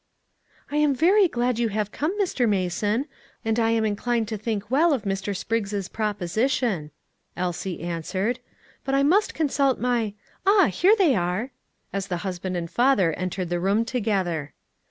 "I am very glad you have come, Mr. Mason; and I am inclined to think well of Mr. Spriggs' proposition," Elsie answered; "but I must consult my Ah, here they are!" as the husband and father entered the room together.